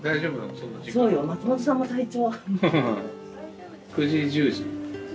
そうよ松本さんも体調。